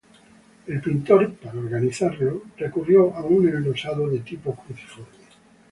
El pintor, para organizarlo, recurrió a un enlosado de tipo cruciforme.